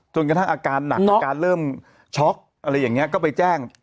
จนกระทั่งอาการหนักอาการเริ่มช็อกอะไรอย่างนี้ก็ไปแจ้ง